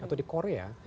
atau di korea